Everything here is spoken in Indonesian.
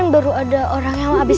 ibu saja css nya bisa nangkut puses